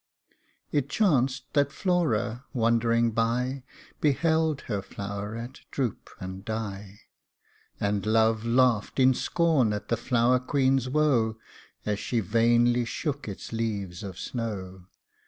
tfc It chanced that Flora, wandering by, Beheld her flow'ret droop and die ; And Love laughed in scorn at the flower queen's woe, As she vainly shook its leaves of snow.